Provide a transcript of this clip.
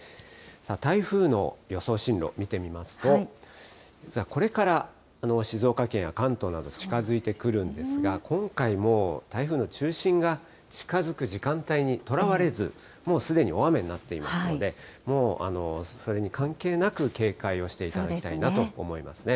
台風の予想進路、見てみますと、実はこれから静岡県や関東など近づいてくるんですが、今回もう、台風の中心が近づく時間帯にとらわれず、もうすでに大雨になっていますので、もう、それに関係なく、警戒をしていただきたいなと思いますね。